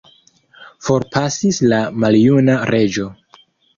Forpasis la maljuna reĝo.